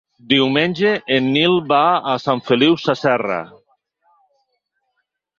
Diumenge en Nil va a Sant Feliu Sasserra.